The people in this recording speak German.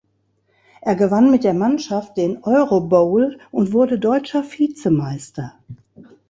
Er gewann mit der Mannschaft den Eurobowl und wurde deutscher Vizemeister.